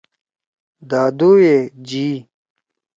دادُو یے جی۔